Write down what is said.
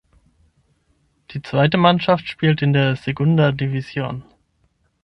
Die zweite Mannschaft spielte in der Segunda Division.